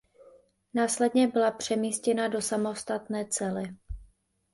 Následně byla přemístěna do samostatné cely.